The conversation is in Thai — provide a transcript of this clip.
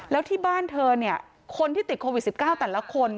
แล้วที่บ้านเธอเนี่ยคนที่ติดโควิด๑๙แต่ละคน